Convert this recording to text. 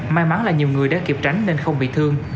may mắn là nhiều người đã kịp tránh nên không bị thương